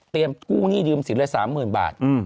เตรียมกู้หนี้ดื่มสินเลย๓หมื่นบาท